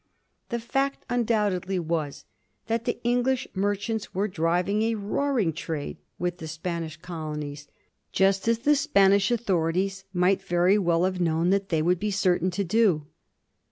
The fact undoubtedly was that the English merchants were driving a roaring trade with the Spanish colonies; just as the Span ish authorities might very well have known that they would be certain to do.